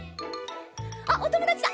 あっおともだちだ。